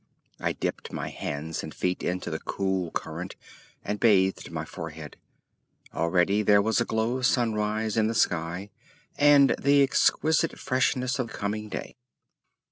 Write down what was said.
I dipped my hands and feet into the cool current, and bathed my forehead. Already there was a glow of sunrise in the sky and the exquisite freshness of coming day.